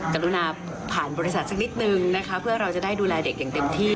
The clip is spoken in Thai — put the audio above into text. กรุณาผ่านบริษัทสักนิดนึงนะคะเพื่อเราจะได้ดูแลเด็กอย่างเต็มที่